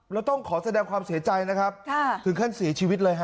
แล้วต้องขอแสดงความเสียใจนะครับถึงขั้นเสียชีวิตเลยฮะ